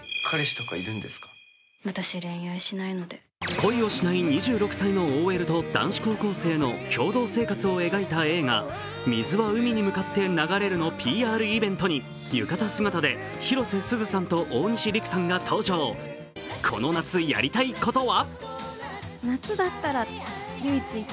恋をしない２６歳のＯＬと男子高校生の共同生活を描いた映画「水は海に向かって流れる」のＰＲイベントに、浴衣姿で広瀬すずさんと大西利久さんが登場、この夏やりたいことは？